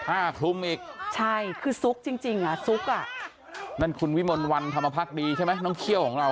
ผ้าคลุมอีกใช่คือซุกจริงจริงอ่ะซุกอ่ะนั่นคุณวิมลวันธรรมพักดีใช่ไหมน้องเขี้ยวของเรา